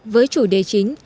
với chủ đề chính